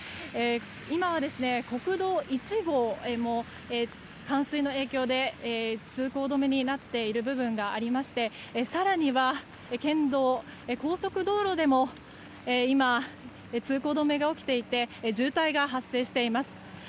今は国道１号も冠水の影響で通行止めになっている部分がありまして更には県道、高速道路でも今、通行止めが起きていて渋滞が発生しています。